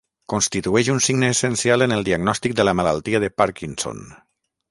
Constitueix un signe essencial en el diagnòstic de la malaltia de Parkinson.